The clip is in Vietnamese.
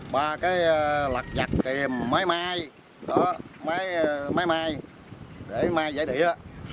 ba cái lặt nhặt kiềm mái mai mái mai để mai giải địa